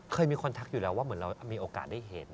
เคยมีคนทักอยู่แล้วว่าเหมือนเรามีโอกาสได้เห็น